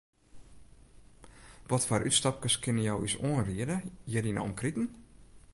Watfoar útstapkes kinne jo ús oanriede hjir yn 'e omkriten?